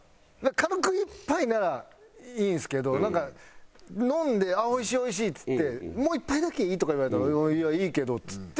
軽く１杯ならいいんですけどなんか飲んでおいしいおいしいっつってもう１杯だけいい？とか言われたらいいけどっつって。